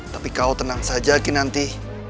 tapi kau tenang saja kinanti